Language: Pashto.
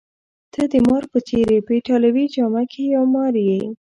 ته د مار په څېر يې، په ایټالوي جامه کي یو مار یې.